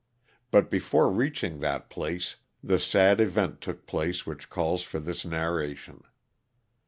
Bat before reach ing that place the sad event took place which calls for this narration.